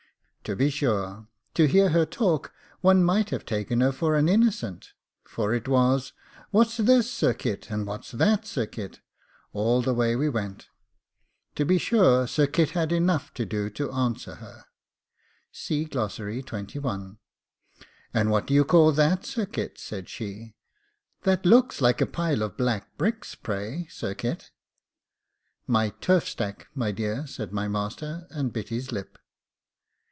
To be sure, to hear her talk one might have taken her for an innocent, for it was, 'What's this, Sir Kit? and what's that, Sir Kit?' all the way we went. To be sure, Sir Kit had enough to do to answer her. 'And what do you call that, Sir Kit?' said she; 'that that looks like a pile of black bricks, pray, Sir Kit?' 'My turf stack, my dear,' said my master, and bit his lip.